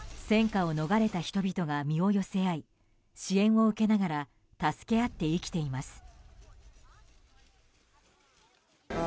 戦火を逃れた人々が身を寄せ合い支援を受けながら助け合って生きています。